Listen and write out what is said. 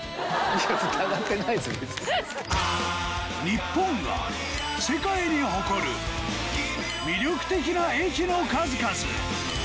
日本が世界に誇る魅力的な駅の数々。